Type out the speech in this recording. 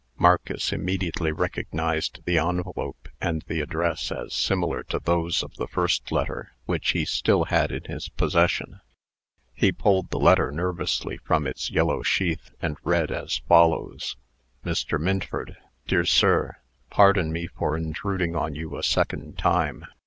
Marcus immediately recognized the envelope and the address as similar to those of the first letter, which he still had in his possession. He pulled the letter nervously from its yellow sheath, and read as follows: MR. MINFORD: DEAR SIR, Pardon me for intruding on you a second time.